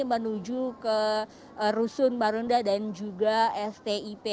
menuju ke rusun marunda dan juga stip